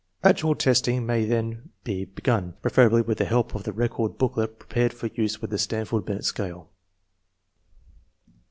Actual testing may then be begun, preferably with the help of the Record Booklet prepared for use with the Stanford Binet Scale.